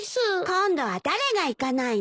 今度は誰が行かないの？